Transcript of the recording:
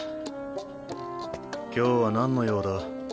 今日は何の用だ？